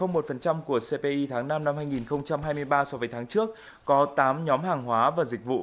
trong mức tăng một của cpi tháng năm năm hai nghìn hai mươi ba so với tháng trước có tám nhóm hàng hóa và dịch vụ